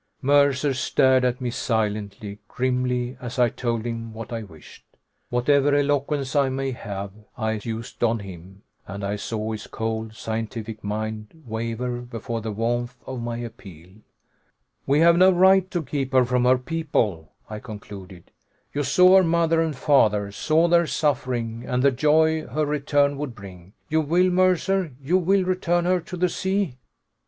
Mercer stared at me silently, grimly, as I told him what I wished. Whatever eloquence I may have, I used on him, and I saw his cold, scientific mind waver before the warmth of my appeal. "We have no right to keep her from her people," I concluded. "You saw her mother and father, saw their suffering, and the joy her return would bring. You will, Mercer you will return her to the sea?"